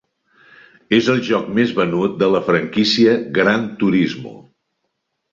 És el joc més venut de la franquícia "Gran Turismo".